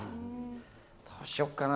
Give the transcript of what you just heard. どうしようかな。